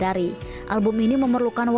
aku akan berubah